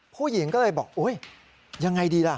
ผู้หญิงก็เลยบอกอุ๊ยยังไงดีล่ะ